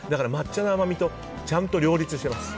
抹茶の甘みとちゃんと両立してます。